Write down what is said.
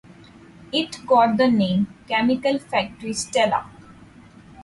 It got the name Chemical Factory Stella.